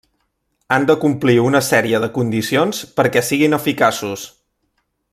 Han de complir una sèrie de condicions perquè siguin eficaços.